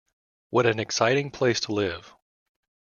What an exciting place to live.